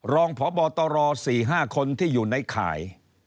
รองพบตร๔๕คนที่อยู่ในข่าย